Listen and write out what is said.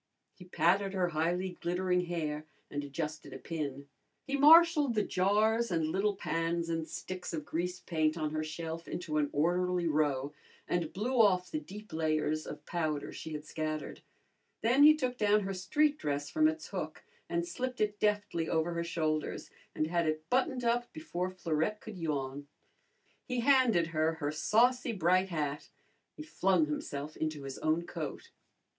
He patted her highly glittering hair and adjusted a pin. He marshalled the jars and little pans and sticks of grease paint on her shelf into an orderly row and blew off the deep layers of powder she had scattered. Then he took down her street dress from its hook and slipped it deftly over her shoulders and had it buttoned up before Florette could yawn. He handed her her saucy bright hat. He flung himself into his own coat.